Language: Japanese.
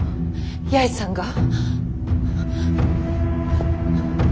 八重さんが。